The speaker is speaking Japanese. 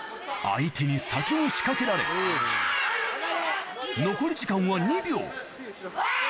相手に先に仕掛けられ残り時間は２秒わ！